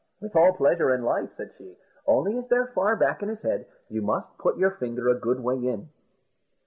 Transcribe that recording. "With all pleasure in life," said she; "only, as they're far back in his head, you must put your finger a good way in."